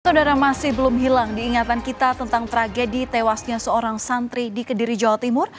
saudara masih belum hilang diingatan kita tentang tragedi tewasnya seorang santri di kediri jawa timur